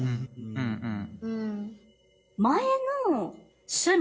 うんうん。